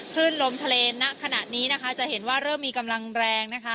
ขึ้นลมทะเลณขณะนี้นะคะจะเห็นว่าเริ่มมีกำลังแรงนะคะ